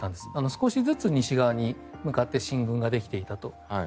少しずつ西側に向かって進軍ができていたと。